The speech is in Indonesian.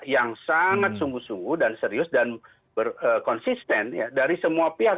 yang sangat sungguh sungguh dan serius dan konsisten dari semua pihak